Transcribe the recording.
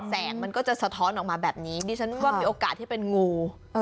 แสงมันก็จะสะท้อนออกมาแบบนี้ดิฉันว่ามีโอกาสที่เป็นงู